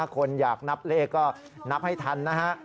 คนอยากนับเลขก็นับให้ทันนะฮะ